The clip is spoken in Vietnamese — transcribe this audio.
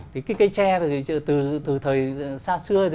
thì cái cây tre từ thời xa xưa